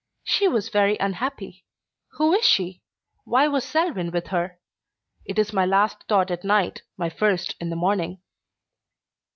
She was very unhappy. Who is she? Why was Selwyn with her? It is my last thought at night, my first in the morning.